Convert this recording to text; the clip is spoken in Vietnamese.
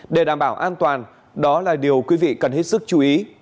để đảm bảo an toàn đó là điều quý vị cần hết sức chú ý